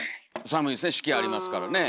寒いですね四季ありますからね。